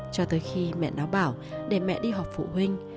cho tới khi mẹ nó bảo để mẹ đi học phụ huynh